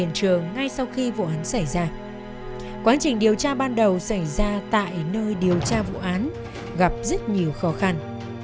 ngay sau khi vụ án xảy ra quá trình điều tra ban đầu xảy ra tại nơi điều tra vụ án gặp rất nhiều khó khăn